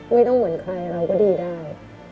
ไม่ต้องเหมือนใครเราก็ดีได้